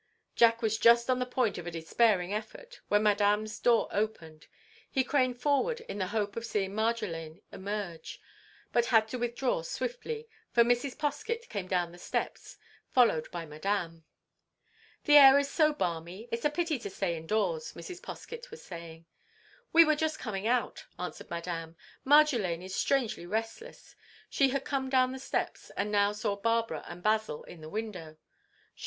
Jack was just on the point of a despairing effort, when Madame's door opened. He craned forward in the hope of seeing Marjolaine emerge, but had to withdraw swiftly, for Mrs. Poskett came down the steps, followed by Madame. "The air is so balmy, it's a pity to stay indoors," Mrs. Poskett was saying. "We were just coming out," answered Madame. "Marjolaine is strangely restless." She had come down the steps and now saw Barbara and Basil in the window.